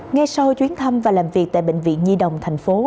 ngay sau chuyến thăm và làm việc tại bệnh viện nhi đồng tp